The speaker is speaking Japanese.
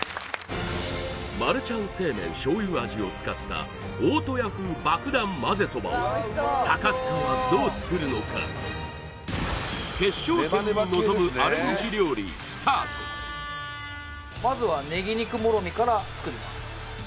マルちゃん正麺醤油味を使った大戸屋風ばくだんまぜそばを高塚はどう作るのか決勝戦に臨むアレンジ料理スタートから作ります